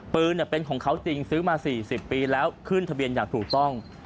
ปืนเป็นของเขาจริงซื้อมา๔๐ปีแล้วขึ้นทะเบียนอย่างถูกต้อง